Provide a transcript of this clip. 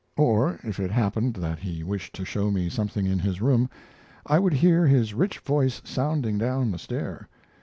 Or, if it happened that he wished to show me something in his room, I would hear his rich voice sounding down the stair.